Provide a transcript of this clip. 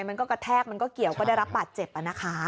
มันก็กระแทกมันก็เกี่ยวก็ได้รับบาดเจ็บนะคะ